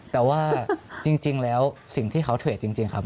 แต่ว่าจริงแล้วสิ่งที่เขาเทรดจริงครับ